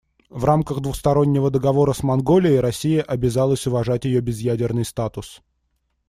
В рамках двустороннего договора с Монголией Россия обязалась уважать ее безъядерный статус.